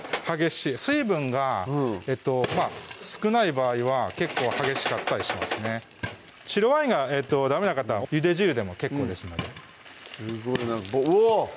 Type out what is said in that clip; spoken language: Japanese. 水分が少ない場合は結構激しかったりしますね白ワインがダメな方ゆで汁でも結構ですのでおっ！